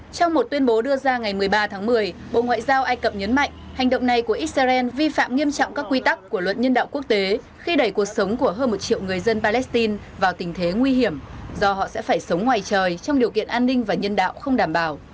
trong một tuyên bố đưa ra ngày một mươi ba tháng một mươi bộ ngoại giao ai cập nhấn mạnh hành động này của israel vi phạm nghiêm trọng các quy tắc của luật nhân đạo quốc tế khi đẩy cuộc sống của hơn một triệu người dân palestine vào tình thế nguy hiểm do họ sẽ phải sống ngoài trời trong điều kiện an ninh và nhân đạo không đảm bảo